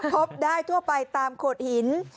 พบได้ทั่วไปตามโขดหิน